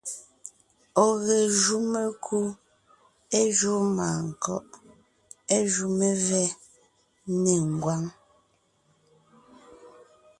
Ɔ̀ ge jú mekú, é júu mânkɔ́ʼ, é jú mevɛ́ nê ngwáŋ.